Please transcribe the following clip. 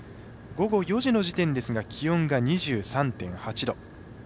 午後４時の時点ですが気温が２３．８度。